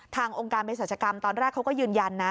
ทางองค์การเผยศาสตร์ออภตอนแรกเขาก็ยืนยัน